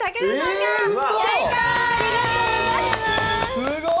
すごい！